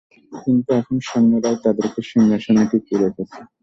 কিন্তু, এখন সৈন্যরাই তাদেরকে সিংহাসনে টিকিয়ে রেখেছে।